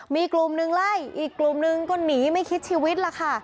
มีกลุ่มหนึ่งไล่อีกกลุ่มนึงก็หนีไม่คิดชีวิตล่ะค่ะ